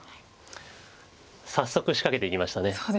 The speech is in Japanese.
早速仕掛けていきました。